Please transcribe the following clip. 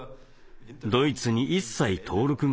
ドイツに一切登録がない。